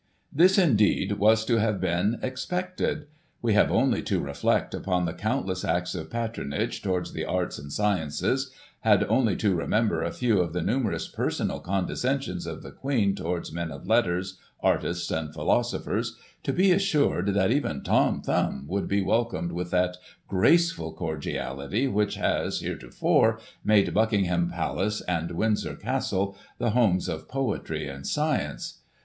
Thisy indeed, was to have been expected. We have only to reflect upon the countless acts of patronage towards the Arts and Sciences — had only to remember a few of the numerous personal condescensions of the Queen towards men of letters, artists and philosophers — to be assiured that even TOM THUMB would be welcomed with that graceful cordiality which has, heretofore, made Buckingham Palace and Windsor Castle the homes of Poetry and Science.